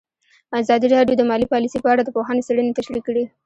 ازادي راډیو د مالي پالیسي په اړه د پوهانو څېړنې تشریح کړې.